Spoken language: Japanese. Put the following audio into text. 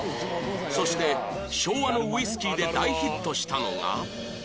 そして昭和のウイスキーで大ヒットしたのが